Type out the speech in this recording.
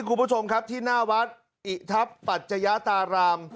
คุณผู้ชมครับที่หน้าวัดอิทัพปัจจยาตาราม